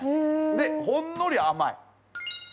でほんのり甘い。